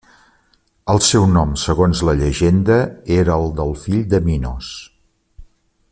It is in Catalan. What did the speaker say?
El seu nom segons la llegenda era el del fill de Minos.